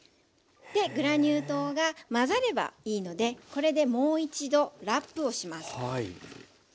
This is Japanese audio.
グラニュー糖が混ざればいいのでこれでもう一度ラップをします。